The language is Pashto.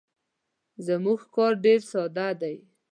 زموږ کار ډیر ساده دی.